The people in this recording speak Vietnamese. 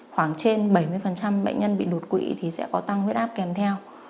khoảng trên bảy mươi bệnh nhân bị đột quỵ thì sẽ có tăng huyết áp kèm theo